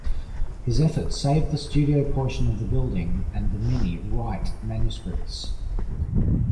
His efforts saved the studio portion of the building and the many Wright manuscripts.